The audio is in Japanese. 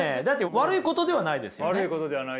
悪いことではないですよね。